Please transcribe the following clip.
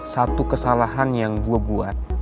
satu kesalahan yang gue buat